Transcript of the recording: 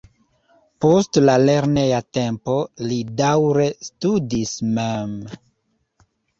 Post la lerneja tempo li daŭre studis mem.